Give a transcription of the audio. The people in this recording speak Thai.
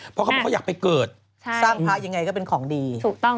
เพราะเขาจะอยากไปเกิดทราบพราคยังไงก็เป็นของดี